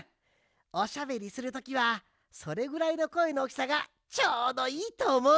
おしゃべりするときはそれぐらいのこえのおおきさがちょうどいいとおもう。